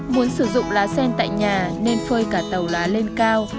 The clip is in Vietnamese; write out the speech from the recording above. muốn sử dụng lá sen tại nhà nên phơi cả tàu lá lên cao